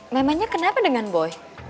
memangnya kenapa dengan boy